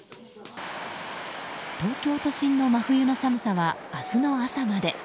東京都心の真冬の寒さは明日の朝まで。